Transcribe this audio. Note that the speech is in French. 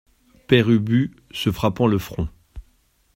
Père Ubu , se frappant le front.